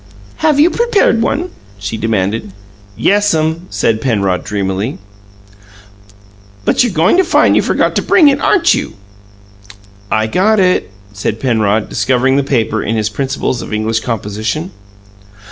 "Have you prepared one?" she demanded. "Yes'm," said Penrod dreamily. "But you're going to find you forgot to bring it, aren't you?" "I got it," said Penrod, discovering the paper in his "Principles of English Composition."